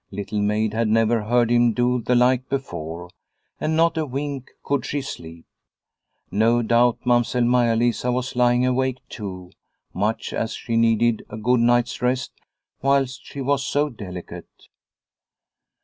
Little Maid had never heard him do the like before, and not a wink could she sleep. No doubt Mamsell Maia Lisa was lying awake too, much as she needed a good night's rest whilst she was so delicate.